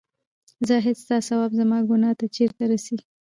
زاهـده سـتـا ثـواب زمـا ګـنـاه تـه چېرته رسـي